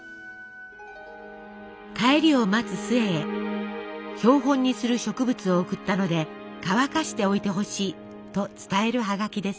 帰りを待つ壽衛へ「標本にする植物を送ったので乾かしておいてほしい」と伝えるハガキです。